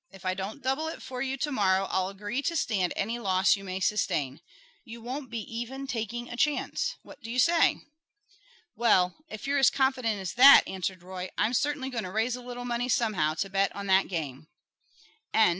If I don't double it for you to morrow I'll agree to stand any loss you may sustain. You won't be even taking a chance. What do you say?" "Well, if you're as confident as that," answered Roy, "I'm certainly going to raise a little money somehow to bet on that game." CHAPTER VII.